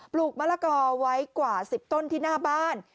ลูกมะละกอไว้กว่า๑๐ต้นที่หน้าบ้าน